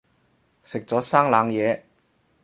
食咗生冷嘢